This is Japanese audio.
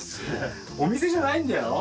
お店じゃないんだよ。